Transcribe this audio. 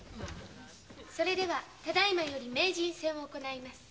それではただ今より名人戦を行います。